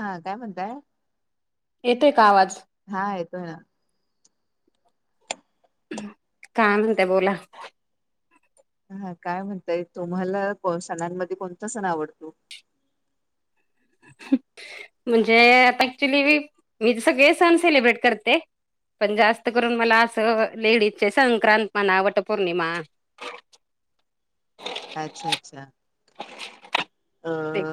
हा काय म्हणतंय? येतेयं का आवाज? हा येतोयं. काय म्हणत्या बोला? हा काय म्हणतायं तुम्हाला सणांमध्ये कोणता सण आवडतो? म्हणजे आता ऍक्च्युली, मी सगळे सण सेलिब्रेट करते. पण जास्त करून मला असं लेडीज, चे संक्रांत म्हणा पौर्णिमा अच्छा, अच्छा. अ ते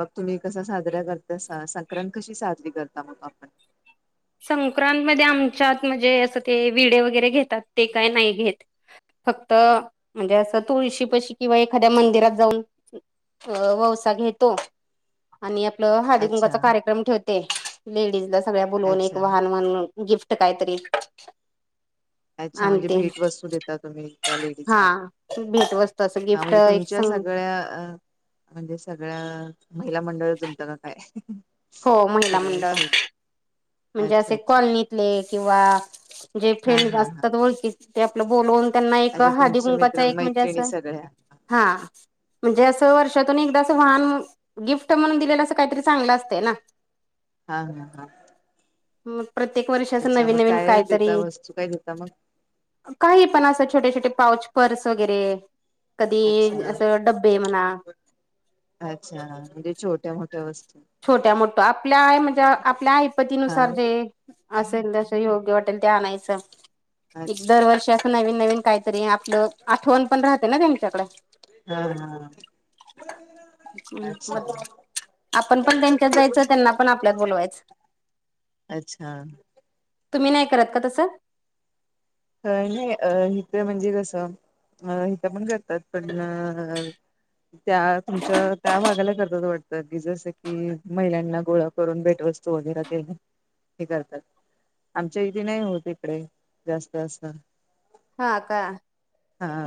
मग तुम्ही कसा साजरा करता संक्रांत कशी साजरी करता मग आपण? संक्रांतमध्ये आमच्यात म्हणजे असं ते विडे वगैरे, घेतात ते काय नाही घेत. फक्त म्हणजे असं तुळशी पशी, किंवा एखाद्या मंदिरात जाऊनं अ - वसा घेतो. आणि आपलं हळदी कुंकवाचा अच्छा कार्यक्रम ठेवते लेडीजला सगळ्या बोलवून एक अच्छा मग- गिफ्ट काहीतरी? अच्छा, म्हणजे आणते भेट वस्तू देता तुम्ही त्या हा लेडीजना भेटवस्तू असं हा गिफ्ट म्हणजे तुम एक च्या संग सगळ्या- म्हणजे सगळ्या महिला मंडळ जमता का काय? हो महिला मंडळ. सगळ्याशी म्हणजे अच्छा असे अच्छा कॉलनीतले, किंवा जे हा फ्रेंड हा हा असतात, ओळखीत ते आपलं बोलवून त्यांना एक अच्छा हळदी तुमचे कुंकवाच, मित्र एक म्हणजे मैत्रिणी असं सगळ्या हा. म्हणजे असं वर्षातून एकदा असं वाहन गिफ्ट, म्हणून दिलेलं अस काहीतरी चांगलं असतय ना. हा हा हा. मग प्रत्येक वर्षाच अच्छा मग नवीन- नवीन काय कायतरी? देता वस्तू काय देता मग काही पण असं छोटे- छोटे पाऊच पर्स वगैरे, कधी अच्छा असं डब्बे म्हणा. अच्छा, म्हणजे छोट्या मोठ्या वस्तू, छोट्या मोठ्या आपल्या म्हणजे आपल्या आयपाती हा नुसार ते. असेल तसं योग्य वाटेल ते आणायचं एक अच्छा दरवर्षी असं नवीन - नवीन काही तरी आपलं आठवण पण राहते ना त्यांच्याकडे. हा हा. हम्म अच्छा म आपण पण तेच्यातं जायचं त्यांना पण आपल्यात बोलवायचं. अच्छा तुम्ही नाही करत का तसं? अ - नाही अ इथं म्हणजे कसं अ हिथ पण करतात पण अ, त्या तुमच्या त्या भागाला करतात वाटत तर की जस की महिलांना गोळा करून भेटवस्तू वगैरा देणे, हे करतात. आमच्या इथे नाही होत इकडे. तस हा का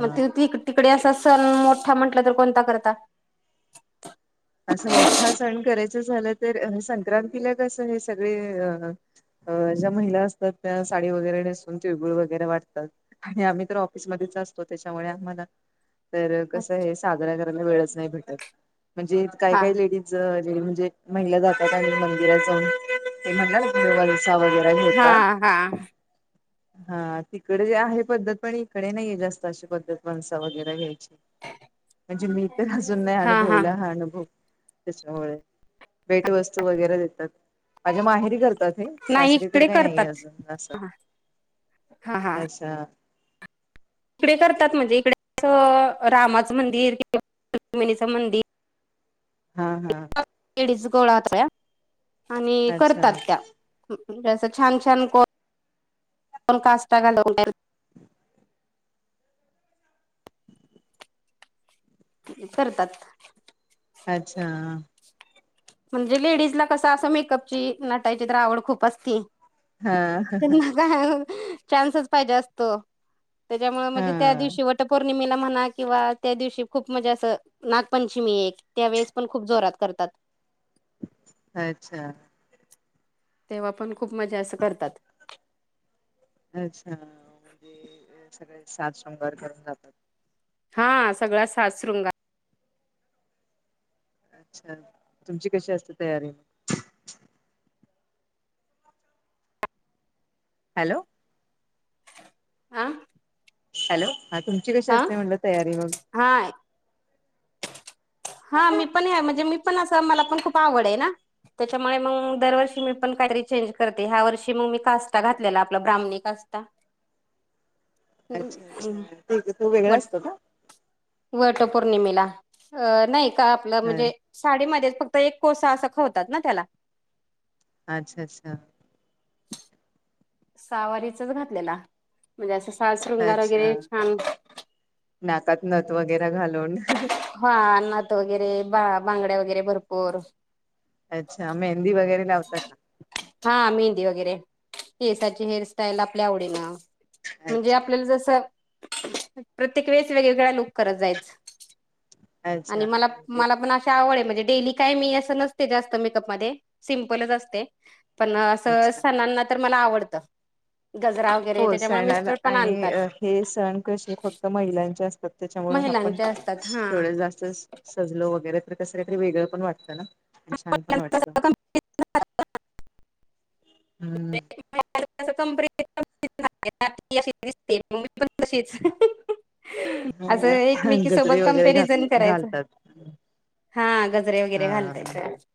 मग तू ति तिकडे असं सन मोठा म्हटलं तर कोणता करता? असं मोठा सण करायच झाल तर अ संक्रांतीला कस हे सगळे अ अ ज्या महिला असतात त्या साडी वगैरे नेसून, तिळगुळ वगैरे वाटतात. आणि आम्ही तर ऑफिसमध्येच असतो त्याच्यामुळे आम्हाला तर कसं हे साजरा करायला वेळच नाही भेटत म्हणजे काय हा काय लेडीज ज म्हणजे महिला जातात मंदिरात जाऊन ते म्हणलं ना देवाचा [inaudible] वंसा वगैरा हा घेतात हा हा तिकडे जे आहे पद्धत पण इकडे नाहीये जास्त अशी पद्धत वंसा वगैरे घ्यायची. म्हणजे मी तर अजून नाय, अनुभवला हा अनुभव. त्याच्यामुळे भेटवस्तू वगैरे देतात. माझ्या माहेरी करतात हे नाही सासरी तर इकडे काही नाहीेये करतात अजून असं. हा हा अच्छा. इकडे करतात म्हणजे इकडे अस रामाचं मंदिर किंवा रुक्मिणीच मंदिर हा हा. लेडीज गोळा होता सगळ्या आणि अच्छा करतात त्या. म्हणजे अस छान-छान को कोण काष्टा घालून तयार करतात अच्छा म्हणजे लेडीज ला कसं असं मेकअपची, नटायची तर आवड खूप असती. हा ह हं त्यांना चान्सच पायजे असतो, त्याच्यामुळ हा म्हणजे त्या दिवशी वट वटपौर्णिमेला म्हणा किंवा त्या दिवशी खूप म्हणजे असं नागपंचमी एक त्यावेेळेस पण खूप जोरात करतात. अच्छा तेव्हा पण खूप मजा अस करतात. अच्छा म्हणजे सगळे साज शृंगार करून जातात. हा सगळा साज-शृंगार. अच्छा, तुमची कशी असते तयारी? हॅलो आं हॅलो, हा तुमची कशी असते मम्हंटल तयारी मग? हाय हा मी पण ये म्हणजे मी पण असं मला पण खूप आवड आहे ना. त्याच्यामुळे मंग दरवर्षी मी पण काहीतरी चेंज करते ह्या वर्षी मंग मी कास्टा घातलेला आपला ब्राह्मणी कास्टा. त्ता अच्छा अच्छा, ठीक आहे तो वेगळा असतो का? वटपौर्णिमेला अ नाही का आपलं म्हणजे साडीमध्येच फक्त एक कोसा असं खवतात ना त्याला अच्छा अच्छा. सहावारीचाच घातलेला म्हणजे असं साज-शृंगार अच्छा वगैरे छान नाकात नथ वगैरे घालून हा नथ वगैरे बा बांगड्या वगैरे भरपूर अच्छा मेहंदी वगैरे लावता का? हा मेहंदी वगैरे केसाची हेअरस्टाईल आपल्या आवडीनं म्हणजे आपल्याला अच्छा जसं प्रत्येक वेळेस वेगवेगळ्या लुक करत जायच. आणि अच्छा मला म्हणजे मला पण अशी आवड ये म्हणजे डेली काय मी असं नसते जास्त मेकअप मध्ये सिमपलच असते पण असं अच्छा सणांना तर मला आवडत गजरा हो वगैरे त्याच्यामुळे सणाला मिस्टर पण आणि आणतात अ हे सण कसे फक्त महिलांचे असतात. त्याच्यामुळ आपण महिलांचे असतात हा. एवढ जास्त अस सजलो वगैरे तर कस वेगळं पण वाटतं ना आणि छान पण वाटत. हम्म. [unintelligible] असं एकमेकीसोबत गजरे वगैरे घात कंपेरिझन करायचं. घालतात हा गजरे हा वगैरे घालता येत.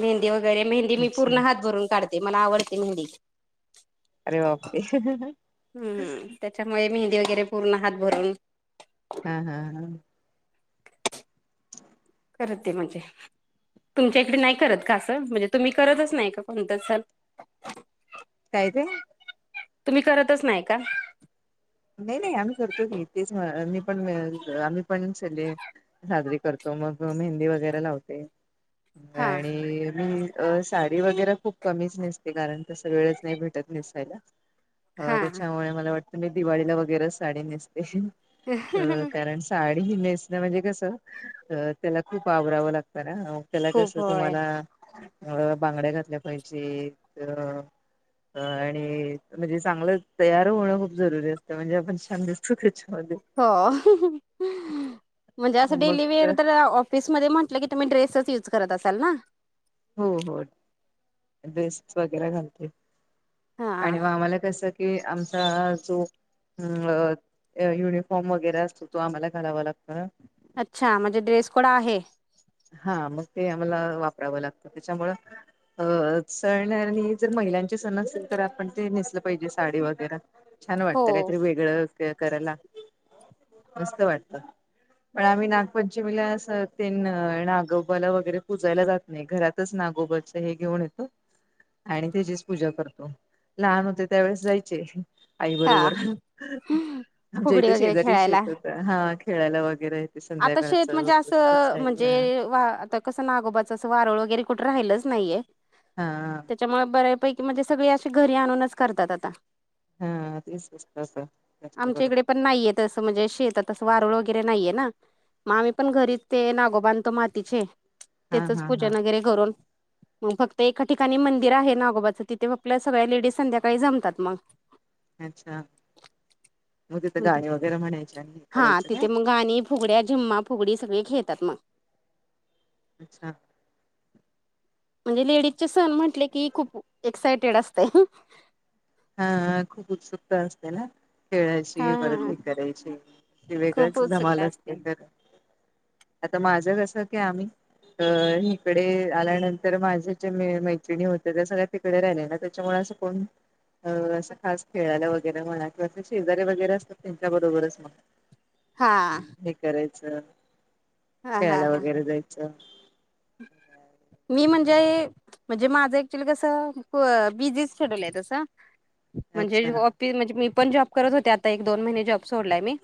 मेहंदी वगैरे मेहंदी मी अच्छा पूर्ण हात भरून काढते मला आवडते मेहंदी अरे बापरे हम्म, त्याच्यामुळे मेहंदी वगैरे पूर्ण हात भरून हा हा हा. करते म्हणजे तुमच्या इकडे नाही करत का असं म्हणजे तुम्ही करतच नाही का कोणत सण? काय ते? तुम्ही करतच नाही का? नाही नाही आम्ही करतो की तेच अ मी पण अ आम्ही पण सगळे साजरी करतो मग मेहंदी वगैरे लावते हा आणि मी अ साडी वगैरे खूप कमीच नेसते कारण तस वेळच नाही भेटत नेसायला अ हा त्याच्यामुळे मला वाटतं मी दिवाळीला वगैरे साडी नेसते अ कारण साडी ही नेसणं म्हणजे कसं अ त्याला खूप आवरावं लागतं ना. त्याला खूप कसं होय तुम्हाला अ बांगड्या घातल्या पाहिजेत अ अ आणि म्हणजे चांगलं तयार होणं जरुरी असत म्हणजे आपण छान दिसतो त्याच्या त्याच्यामध्ये हो, म्हणजे अस डेलिवेअर तर ऑफ फिसमध्ये म्हटलं की तुम्ही ड्रेसच युज करत असाल ना? हो हो, ड्रेसेस वगैरे घालते. हा आणि म आम्हाला कसं की आमचा जो हम्म अ युनिफॉर्म वगैरे असतो तो आम्हाला घालावा लागतो ना. अच्छा म्हणजे ड्रेस कोड आहे. हा मग ते आम्हाला वापरावं लागतं त्याच्यामुळ अ सण आणि जर महिलांचे सण असतील तर आपण ते नेसलं पाहिजे साडी वगैरा छान हो वाटतं काहीतरी वेगळं क करायला. मस्त वाटत पण आम्ही नागपंचमीला अस तीन नागोबाला वगैरे पुजायला जात नाही, घरातच नागोबाच हे घेऊन येतो. आणि त्याचीच पूजा करतो लहान होते त्यावेेळेस जायचे आई हा बरोबर आमच्या फुगडी इथे वगैरे शेजारी खेळायला शेतत हा खेळायला वगैरे ते आता शेत संध्याकाळचं म्हणजे असं म्हणजे वा आता कसं नागोबाच अस वारूळ वगैरे कुठे राहिलच नाहीये हा. त्याच्यामुळे बऱ्यापैकी म्हणजे सगळे अशे घरी आणूनच करतात आता. हा ते स्वस्त जास्त आमच्या बरो [unintelligible] इकडे पण नाहीय तसं म्हणजे शेतातस वारळ वगैरे नाहीये ना. म आम्ही पण घरीच ते नागोबांधतो मातीचे हा तेचच हा हा पूजन वगैरे घरून मग फक्त एका ठिकाणी मंदिर आहे नागोबाचं तिथे आपल्या सगळ्या लेडीज संध्याकाळी जमतात मग. ह [inaudible] अच्छा [inaudible] म तिथ गाणे वगैरे म्हणायच्या? हा तिथे मग गाणी फुगड्या जिम्मा फुगडी सगळे खेळतात मग. अच्छा. म्हणजे लेडीजचे सण म्हटले की खूप एक्सायटेड असते. हा खूप उत्सुकता असते ना? खेळायची हा वरदी करायची हे खूप वेगळाच धमाल उत्सुकता असते खर. आता माझं कसं की आम्ही अ इकडे आल्यानंतर माझ्या जे मैत्रिणी होत त्या सगळ्या तिकडे राहिल्यान त्याच्यामुळे असं कोण असं खास खेळायला वगैरे म्हणा किंवा अस शेजारीे वगैरे असतात त्यांच्या बरोबरच मग. हा हे करायचं खेळायला वगैरे जायच. हम् [inaudible] मी म्हणजे, म्हणजे माझं क्च्युली कसं बीझीस शडुल आहे तसं. म्हणजे अच्छा जॉब म्हणजे मी पण जॉब करत होते आता एक, दोन महिने जॉब सोडलाय मी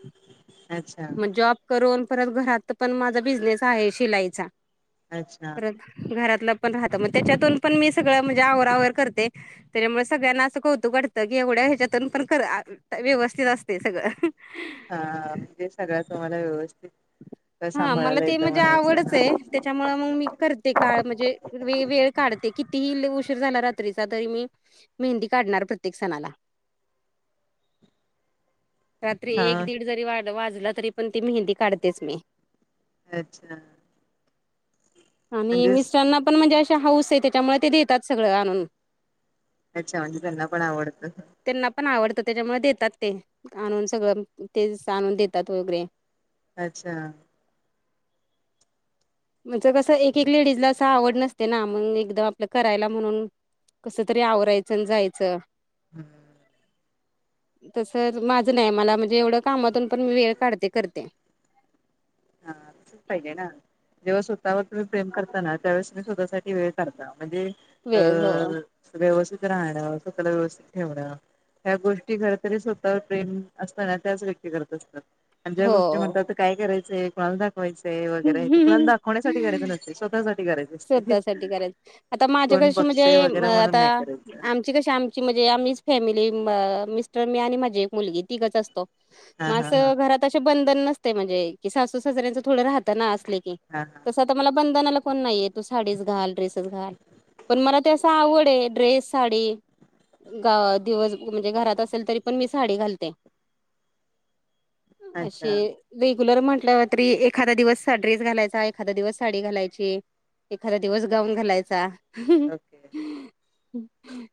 [inaudible] अच्छा म जॉब करून परत घरात पण माझा बिझनेस आहे शिलाईचा. अच्छा परत घरातलं पण राहत मग त्याच्यातून पण मी सगळं म्हणजे आवर, आवर करते. त्याच्यामुळे सगळ्यांना असं कौतुक वाटतं की एवढ्या ह्याच्यातून पण व्यवस्थित असते सगळं. हा म्हणजे सगळ्या तुम्हाला व्यवस्थित [inaudible] सांभाळायला येतं म्हणायचं ह. त्याच्यामुळ मग मी करते काळ म्हणजे वेळ काढते कितीही उशीर झाला रात्रीचा तरी मी मेहंदी काढणार प्रत्येक सणाला. रात्री एक हा दीड जरी वाजला तरी पण ती मेहंदी काढतेच मी अच्छा आणि म्हणजेच मिस्टरांना पण म्हणजे अशी हाऊस आहे त्याच्यामुळे ते देतात सगळं आणून. अच्छा म्हणजे त्यांना पण आवडत. त्यांना पण आवडत त्याच्यामुळे देतात ते आणून सगळं ते आणून देतात वगैरे अच्छा. म्हणजे कसं एक, एक लेडीज ला असं आवड नसते ना मग एकदम आपलं करायला म्हणून कस तरी आवरायचं अन जायचं. हम् ह [unintelligible] तस माझं नाही मला म्हणजे एवढं कामातून पण मी वेळ काढते करते. हा तसच पाहिजे ना. जेव्हा स्वतःवर तुम्ही प्रेम करता ना त्यावेळेस तुम्ही स्वतःसाठी वेळ करता म्हणजे वेळ हो अं व्यवस्थित राहणं, स्वतला व्यवस्थित ठेवणं ह्या गोष्टी खरतरी स्वतःवर प्रेम असणाऱ्या त्याच व्यक्ती करत असता. आणि ज्या गोष्टी हो म्हणतात ना काय करायचं, कुणाला दाखवायचं वगैरे, ते कुणाला दाखवण्यासाठी करायचं नसत स्वतःसाठी करायचं असते. स्वतःसाठी करायचं आता कोण माझ्याकशी बघते म्हणजे म वगैरे आता म्हणून नाही करायचं आम ची कशी आमची म्हणजे आम्हीचं फॅमिली मिस्टर, मी आणि माझी एक मुलगी तिघचं असतो हा मग हा हा असं घरात असे बंधन नसतेय म्हणजे की सासू, सासऱ्यांच थोडं राहतं ना असले की. हा हा तसं आता मला बंधनाला कोण नाही आहे, तु साडीच घाल ड्रेसेच घाल पण मला ते असं- आवड आहे, ड्रेस साडी- गावा दिवस म्हणजे घरात असेल तरी पण मी साडी घालते. - हा अच्छा अशे- रेग्युलर म्हटल्यावर तरी एखादा दिवस ड्रेस घालायचा, एखादा दिवस साडी घालायची. - एखादा दिवस गाऊन घालायचा अहं ओके ह ह हं